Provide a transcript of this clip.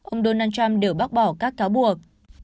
ông donald trump đều bác bỏ các cáo buộc